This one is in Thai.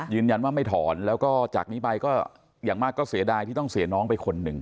ยืนยันว่าไม่ถอนแล้วก็จากนี้ไปก็อย่างมากก็เสียดายที่ต้องเสียน้องไปคนหนึ่ง